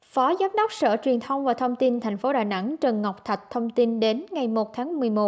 phó giám đốc sở truyền thông và thông tin thành phố đà nẵng trần ngọc thạch thông tin đến ngày một tháng một mươi một